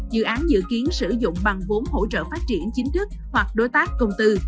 dự án dự kiến sử dụng bằng vốn hỗ trợ phát triển chính thức hoặc đối tác công tư